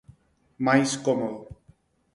Máis cómodo.